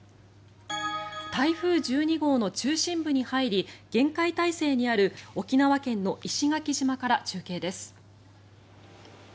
台風１２号の中心部に入り厳戒態勢にある沖縄県の石垣島から中継です。